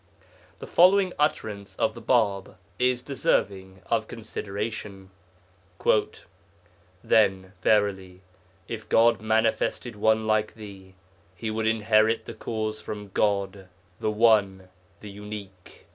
The following utterance of the Bāb is deserving of consideration: 'Then, verily, if God manifested one like thee, he would inherit the cause from God, the One, the Unique.